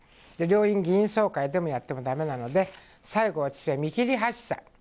両院議員総会でやっても駄目なので、最後、見切り発車。